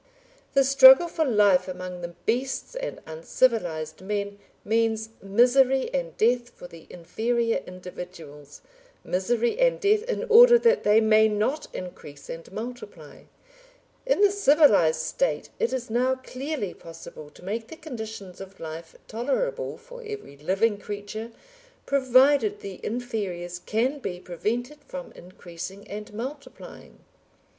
The struggle for life among the beasts and uncivilised men means misery and death for the inferior individuals, misery and death in order that they may not increase and multiply; in the civilised State it is now clearly possible to make the conditions of life tolerable for every living creature, provided the inferiors can be prevented from increasing and multiplying.